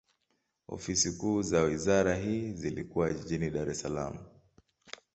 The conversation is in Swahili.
Ofisi kuu za wizara hii zilikuwa jijini Dar es Salaam.